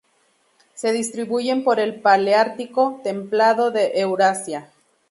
Se distribuyen por el paleártico templado de Eurasia.